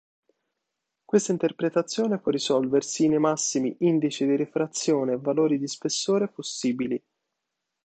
Questa interpretazione può risolversi nei massimi indice di rifrazione e valori di spessore possibili.